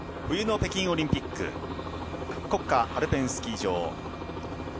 冬の北京オリンピック国家アルペンスキー場。